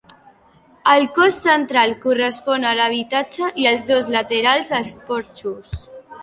El cos central correspon a l'habitatge i els dos laterals als porxos.